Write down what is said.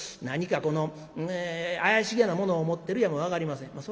何かこの怪しげなものを持ってるやも分かりません。